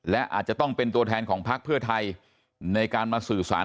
และอาจจะต้องเป็นตัวแทนของพักเพื่อไทยในการมาสื่อสาร